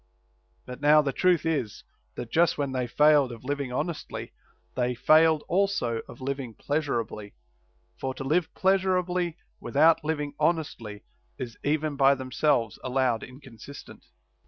But now the truth is, that just when they failed of living hon estly they failed also of living pleasurably ; for to live pleasurably without living honestly is even by themselves allowed inconsistent.